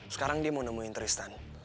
sekarang dia mau nemuin tristan